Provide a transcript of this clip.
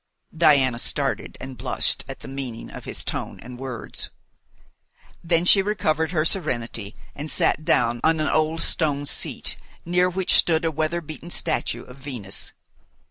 Diana started and blushed at the meaning of his tone and words. Then she recovered her serenity and sat down on an old stone seat, near which stood a weather beaten statue of Venus.